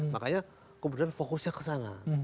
makanya kemudian fokusnya ke sana